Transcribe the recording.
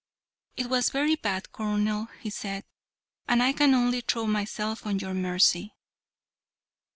"It was very bad, colonel," he said, "and I can only throw myself on your mercy."